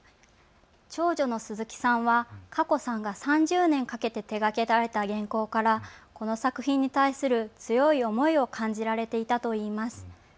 長女の鈴木さんはかこさんが３０年かけて手がけられた原稿からこの作品に対する強い思いを感じられていたといいます。